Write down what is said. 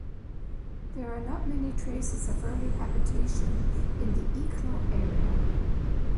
There are not many traces of early habitation in the Eeklo area.